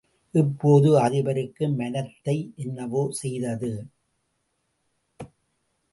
இப்போது அதிபருக்கு மனத்தை என்னவோ செய்தது.